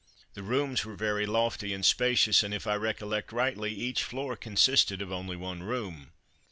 The rooms were very lofty and spacious, and if I recollect rightly each floor consisted of only one room.